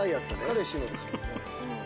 彼氏のですもんね。